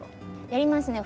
やりますね。